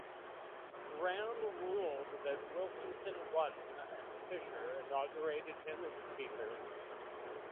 Brown ruled that Wilkinson won and Fisher inaugurated him as Speaker.